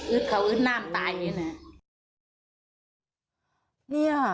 อึดเขาอึดน้ำตายอยู่นี่นะ